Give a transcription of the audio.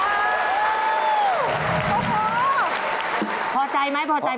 ราคาจำนำวันนี้อยู่ที่